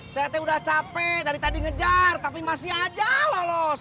saya teh udah capek dari tadi ngejar tapi masih aja lolos